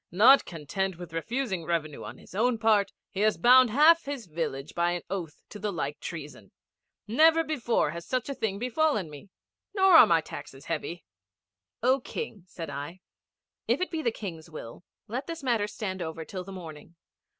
'Not content with refusing revenue on his own part, he has bound half his village by an oath to the like treason. Never before has such a thing befallen me! Nor are my taxes heavy.' 'O King,' said I. 'If it be the King's will let this matter stand over till the morning.